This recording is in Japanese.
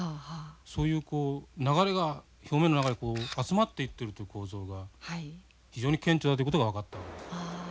そういう流れが表面の中へ集まっていってるという構造が非常に顕著だということが分かったんです。